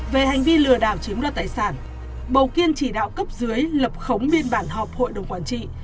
về hành vi lừa đảo chiếm đoạt tài sản bầu kiên chỉ đạo cấp dưới lập khống biên bản họp hội đồng quản trị